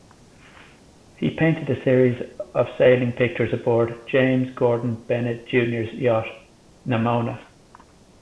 He painted a series of sailing pictures aboard James Gordon Bennett, Junior's yacht "Namouna".